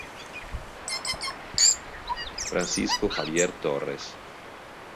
Francisco Javier Torres